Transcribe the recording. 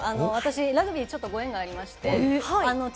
ラグビー、ちょっとご縁がありまして。